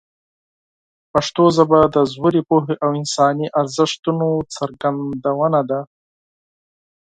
پښتو ژبه د ژورې پوهې او انساني ارزښتونو څرګندونه ده.